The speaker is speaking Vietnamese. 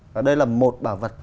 và đây là một bảo vật